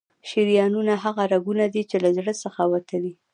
شریانونه هغه رګونه دي چې له زړه څخه وتلي.